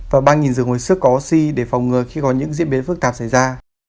và ba rừng hồi sức có oxy để phòng ngừa khi có những diễn biến phức tạp xảy ra